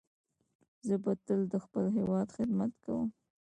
زه به تل د خپل هیواد خدمت کوم.